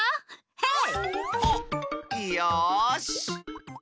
ヘイ！